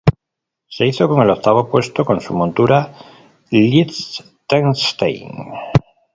Se hizo con el octavo puesto con su montura "Liechtenstein".